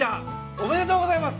おめでとうございます。